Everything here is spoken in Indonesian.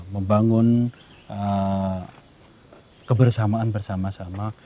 membangun kebersamaan bersama sama